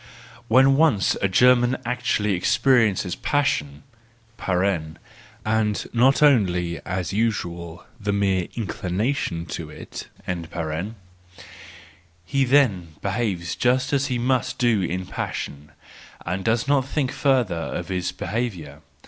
—When once a German actually experiences passion (and not only, as is usual, the mere inclination to it), he then behaves just as he must do in passion, and does not think further of his behaviour.